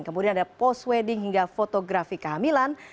kemudian ada post wedding hingga fotografi kehamilan